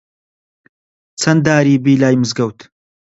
چەن داری بی لای مزگەوت